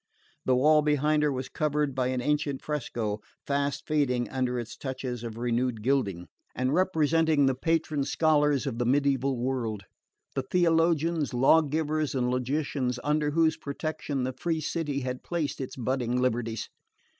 The wall behind her was covered by an ancient fresco, fast fading under its touches of renewed gilding, and representing the patron scholars of the mediaeval world: the theologians, law givers and logicians under whose protection the free city had placed its budding liberties.